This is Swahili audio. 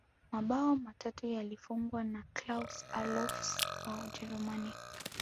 mabao matatu yalifungwa na klaus allofs wa ujerumani